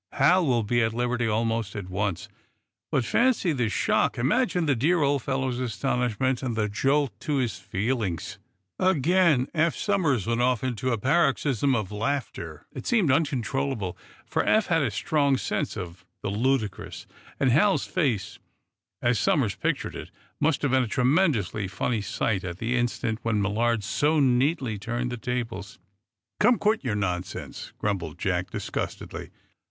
"Hal will be at liberty almost at once. But fancy the shock! Imagine the dear old fellow's astonishment, and the jolt to his feelings." Again Eph Somers went off into a paroxysm of laughter. It seemed uncontrollable, for Eph had a strong sense of the ludicrous, and Hal's face, as Somers pictured it, must have been a tremendously funny sight at the instant when Millard so neatly turned the tables. "Come, quit your nonsense!" grumbled Jack, disgustedly.